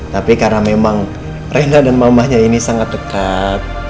tapi karena memang rena dan mamahnya ini sangat dekat